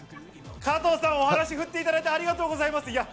加藤さん、お話振っていただいてありがとうございます。